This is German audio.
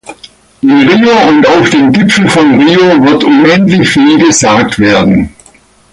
In Rio und auf dem Gipfel von Rio wird unendlich viel gesagt werden.